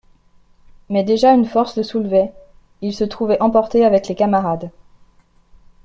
Mais déjà une force le soulevait, il se trouvait emporté avec les camarades.